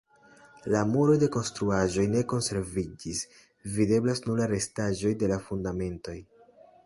La muroj de konstruaĵoj ne konserviĝis; videblas nur la restaĵoj de la fundamentoj.